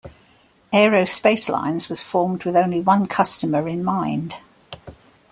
Aero Spacelines was formed with only one customer in mind.